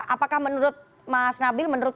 apakah menurut mas nabil menurut